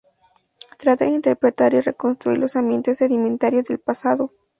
Trata de interpretar y reconstruir los ambientes sedimentarios del pasado.